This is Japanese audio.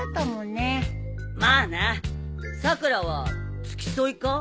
まあなさくらは付き添いか？